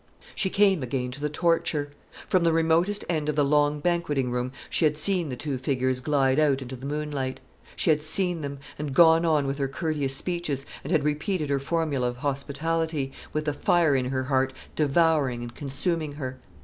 She came again to the torture. From the remotest end of the long banqueting room she had seen the two figures glide out into the moonlight. She had seen them, and had gone on with her courteous speeches, and had repeated her formula of hospitality, with the fire in her heart devouring and consuming her.